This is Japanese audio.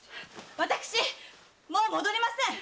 私もう戻りません！